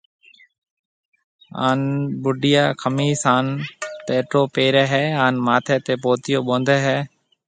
ھان بوڊيا کميس ھان تريٽو پيري ھيَََ ھان ماٿَي تي پوتيو ٻوندھيَََ ھيَََ